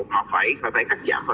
họ phải cách giảm